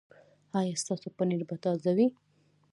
ایا ستاسو پنیر به تازه وي؟